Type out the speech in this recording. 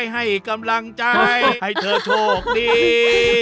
ให้กำลังใจให้เธอโชคดี